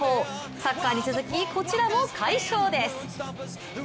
サッカーに続き、こちらも快勝です！